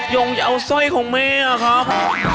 ยงจะเอาสร้อยของแม่ครับ